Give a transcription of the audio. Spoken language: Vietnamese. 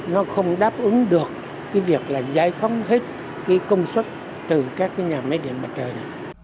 nó không đáp ứng được việc giải phóng hết công suất từ các nhà máy điện mặt trời